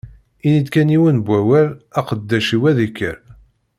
Ini-d kan yiwen n wawal, aqeddac-iw ad ikker.